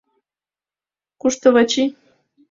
Кушто Вачи?..